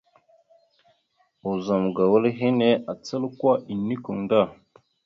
Ozum ga wal henne acal kwa enekweŋ da.